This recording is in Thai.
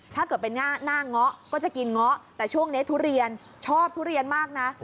ถ้าเกิดเป็นหน้าเงาะก็จะกินเงาะแต่ช่วงนี้ทุเรียนชอบทุเรียนมากนะ